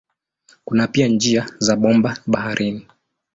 Kuna pia njia za bomba baharini.